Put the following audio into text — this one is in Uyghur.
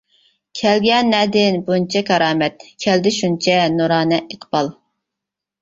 كەلگەن نەدىن بۇنچە كارامەت، كەلدى شۇنچە نۇرانە ئىقبال.